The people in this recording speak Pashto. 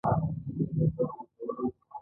هغه هغې ته د صادق دریاب ګلان ډالۍ هم کړل.